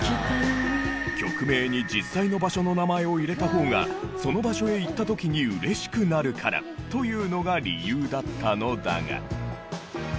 曲名に実際の場所の名前を入れた方がその場所へ行った時にうれしくなるからというのが理由だったのだが。